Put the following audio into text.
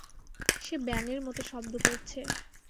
সে ব্যাঙের মত শব্দ করছে।